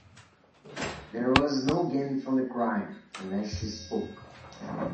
There was no gain from the crime unless she spoke.